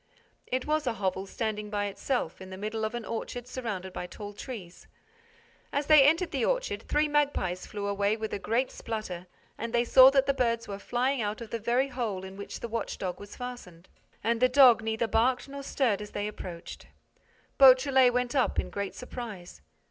It was a hovel standing by itself, in the middle of an orchard surrounded by tall trees. As they entered the orchard, three magpies flew away with a great splutter and they saw that the birds were flying out of the very hole in which the watch dog was fastened. And the dog neither barked nor stirred as they approached. Beautrelet went up in great surprise.